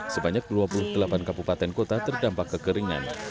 sebanyak dua puluh delapan kabupaten kota terdampak kekeringan